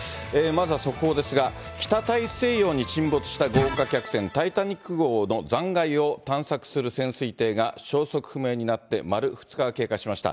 まずは速報ですが、北大西洋に沈没した豪華客船タイタニック号の残骸を探索する潜水艇が消息不明になって丸２日が経過しました。